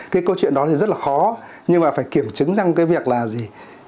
cái câu chuyện đó thì rất là khó nhưng mà phải kiểm chứng rằng cái việc là gì